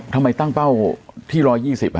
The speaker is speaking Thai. ทำไมตั้งเป้าที่๑๒๐ครับ